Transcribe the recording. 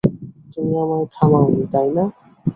তুমি আমায় থামাওনি, তাই না?